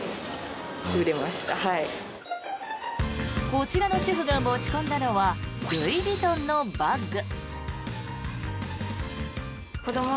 こちらの主婦が持ち込んだのはルイ・ヴィトンのバッグ。